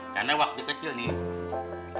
karena waktu kecil nih